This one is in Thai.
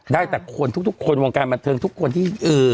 ได้แต่คนทุกคนวงการบันเทิงทุกคนที่